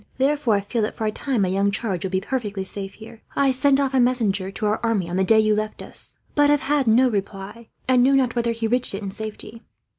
Therefore I feel that, for a time, my young charge will be perfectly safe here. "I sent off a messenger to our army, on the day you left us; but have had no reply, and know not whether he reached it in safety.